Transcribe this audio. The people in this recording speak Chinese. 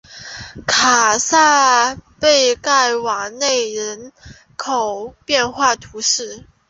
卡萨盖贝戈内人口变化图示